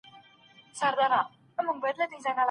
دروني ارامي د انسان د زړه د سکون لپاره ده.